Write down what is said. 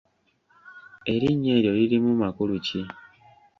Erinnya eryo lirimu makulu ki?